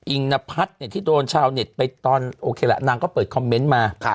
อิ่งนพัทท์เนี่ยที่โดนชาวเน็ตไปตอนโอเคล่ะนางก็เปิดคอมเม้นท์มา